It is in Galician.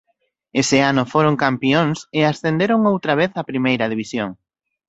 Ese ano foron campións e ascenderon outra vez a Primeira División.